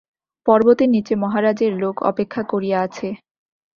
পর্বতের নীচে মহারাজের লোক অপেক্ষা করিয়া আছে।